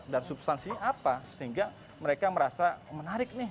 dan substansi apa sehingga mereka merasa menarik nih